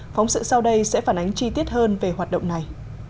phóng sự sau đây sẽ phản ánh chi tiết hơn về hoạt động này